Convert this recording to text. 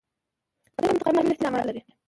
• واده د متقابل احترام اړتیا لري.